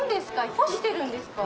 干してるんですか？